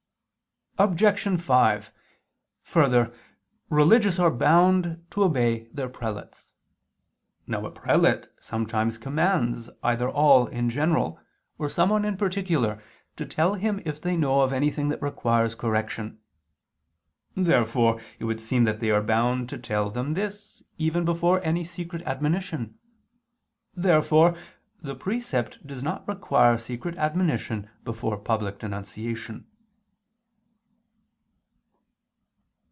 Obj. 5: Further, religious are bound to obey their prelates. Now a prelate sometimes commands either all in general, or someone in particular, to tell him if they know of anything that requires correction. Therefore it would seem that they are bound to tell them this, even before any secret admonition. Therefore the precept does not require secret admonition before public denunciation.